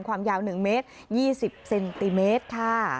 ความยาว๑เมตร๒๐เซนติเมตรค่ะ